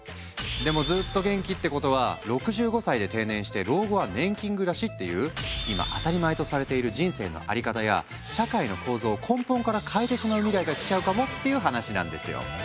でもずっと元気ってことは６５歳で定年して老後は年金暮らしっていう今当たり前とされている人生の在り方や社会の構造を根本から変えてしまう未来が来ちゃうかもっていう話なんですよ！